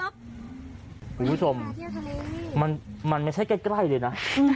คุณผู้ชมมันไม่ใช่ใกล้เลยนะ